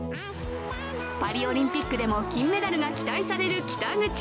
パリオリンピックでも金メダルが期待される北口。